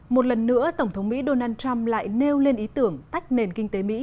một lần nữa tổng thống mỹ donald trump lại nêu lên ý tưởng tách nền kinh tế mỹ